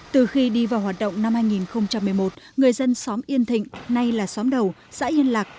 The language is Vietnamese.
từ khi đi vào hoạt động năm hai nghìn một mươi một người dân xóm yên thịnh nay là xóm đầu xã yên lạc